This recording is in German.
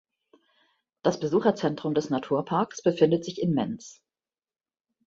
Das Besucherzentrum des Naturparks befindet sich in Menz.